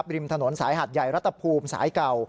ริมถนนสายหาดใหญ่รัฐภูมิสายเก่า